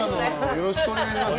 よろしくお願いします。